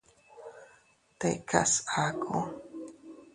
Tikas aku.